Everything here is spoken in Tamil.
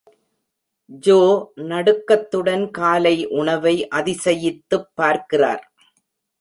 ஜோ நடுக்கத்துடன் காலை உணவை அதிசயித்துப் பார்க்கிறார்.